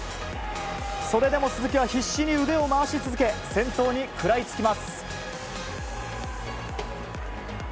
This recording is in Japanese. それでも鈴木は必死に腕を回し続け先頭に食らいつきます。